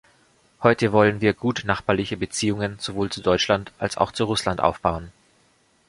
Heute wollen wir gutnachbarliche Beziehungen sowohl zu Deutschland als auch zu Russland aufbauen.